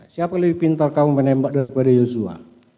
siapa lebih pintar kamu menembak daripada yosua